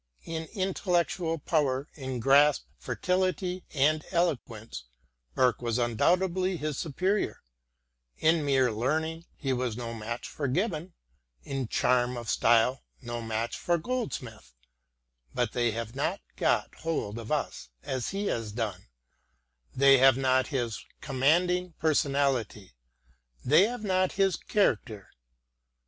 In intellectual power, in grasp, fertility, and eloquence, Burke was undoubtedly his superior ; in mere learning he was no match for Gibbon ; in charm of style no match for Goldsmith ; but they have not got hold of us as he has done, they have not his com manding personality — ^they have not his character.